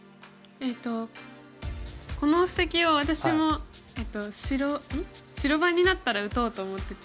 えっとこの布石を私も白番になったら打とうと思ってて。